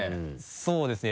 そうですね